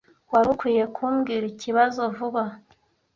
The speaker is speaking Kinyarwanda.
Wari ukwiye kumbwira ikibazo vuba.